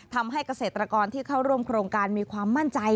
ทำให้เกษตรกรที่เข้าร่วมโครงการมีความมั่นใจ